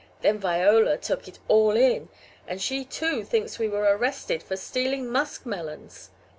Then Viola took it all in and she too thinks we were arrested for stealing muskmelons."